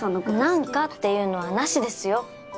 「なんか」っていうのはなしですよ。